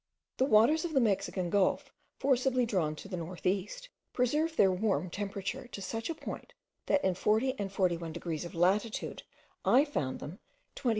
The waters of the Mexican Gulf; forcibly drawn to north east, preserve their warm temperature to such a point, that in 40 and 41 degrees of latitude I found them at 22.